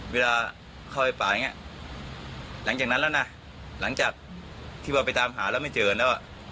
เวลาเข้าไปป่าอย่างนี้หลังจากนั้นแล้วนะหลังจากที่ว่าไปตามหาแล้วไม่เจอแล้ว